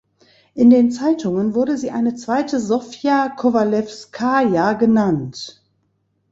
In den Zeitungen wurde sie eine zweite Sofja Kowalewskaja genannt.